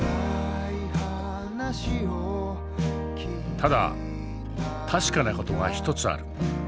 ただ確かな事が一つある。